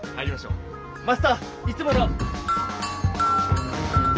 マスターいつもの！